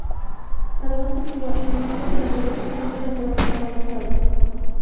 Además en Cuba y las Islas Canarias se usa la palabra para la Azada.